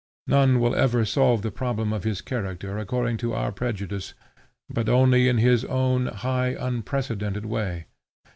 None will ever solve the problem of his character according to our prejudice, but only in his own high unprecedented way.